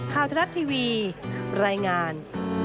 ข้าวทรัฐทีวีรายงาน